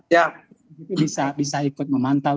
pak ketut bisa ikut memantau